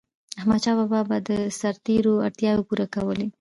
احمدشاه بابا به د سرتيرو اړتیاوي پوره کولي.